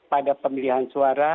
pada pemilihan suara